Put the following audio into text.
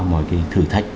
mọi cái thử thách